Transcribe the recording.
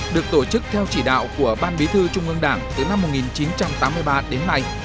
được tổ chức theo chỉ đạo của ban bí thư trung ương đảng từ năm một nghìn chín trăm tám mươi ba đến nay